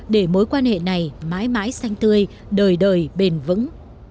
để mối quan hệ này mãi mãi xanh tươi đời đời bền vững